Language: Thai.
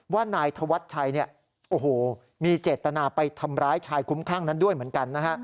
ว่านายธวัชชัยมีเจตนาไปทำร้ายชายคุ้มคลั่งนั้นด้วยเหมือนกันนะฮะ